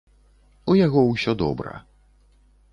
У яго ўсё добра.